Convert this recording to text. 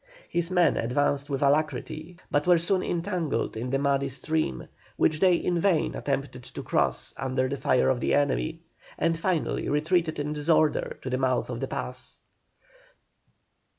His men advanced with alacrity, but were soon entangled in the muddy stream, which they in vain attempted to cross under the fire of the enemy, and finally retreated in disorder to the mouth of the pass.